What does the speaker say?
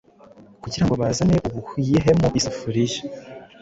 kugirango bazane ubuhyuhemu iafuriya